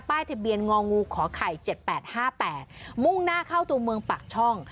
ป้ายทะเบียนงองูขอไข่เจ็ดแปดห้าแปดมุ่งหน้าเข้าตัวเมืองปากช่อง